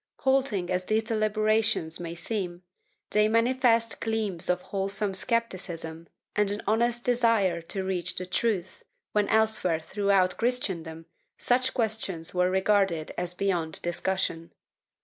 ^ Halting as these deliberations may seem, they manifest gleams of wholesome scepticism and an honest desire to reach the truth, when elsewhere throughout Christendom such c^uestions were regarded as beyond discussion.